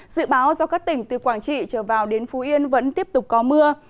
dự báo do các tỉnh từ quảng trị trở vào đến phú yên vẫn tiếp tục có mưa